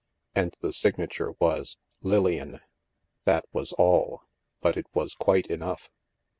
And the signature was " Lilian." That was all. But it was quite enough.